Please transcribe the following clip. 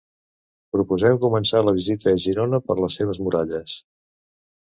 Proposem començar la visita a Girona per les seves muralles.